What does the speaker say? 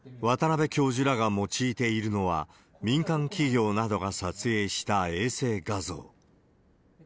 渡邉教授らが用いているのは、民間企業などが撮影した衛星画像。